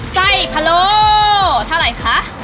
ไส้พะโลเท่าไหร่คะ